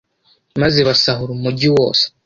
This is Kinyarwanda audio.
maze basahura umugi wose